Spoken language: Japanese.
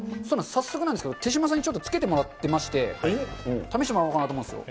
早速なんですけど、手嶋さんにちょっとつけてもらってまして、試してもらおうかなと思うんですよ。